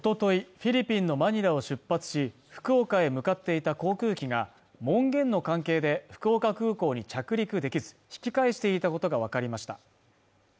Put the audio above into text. フィリピンのマニラを出発し福岡へ向かっていた航空機が門限の関係で福岡空港に着陸できず引き返していたことが分かりました